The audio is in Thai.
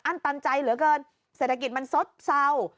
ตันใจเหลือเกินเศรษฐกิจมันซบเศร้า